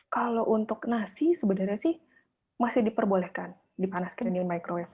kalau untuk nasi sebenarnya sih masih diperbolehkan dipanaskan dengan microil